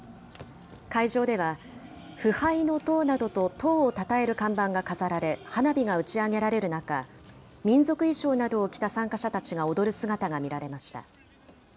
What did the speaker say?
会場では、不敗の党などと党をたたえる看板が飾られ、花火が打ち上げられる中、民族衣装などを着た参加者たちが踊る姿が見られました。